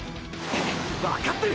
わかってる！！